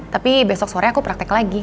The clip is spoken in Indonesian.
tapi besok sore aku praktek lagi